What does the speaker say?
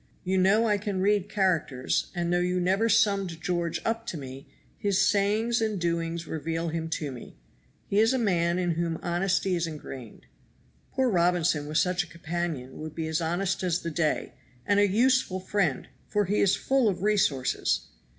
You know I can read characters, and though you never summed George up to me, his sayings and doings reveal him to me. He is a man in whom honesty is engrained. Poor Robinson with such a companion would be as honest as the day, and a useful friend, for he is full of resources.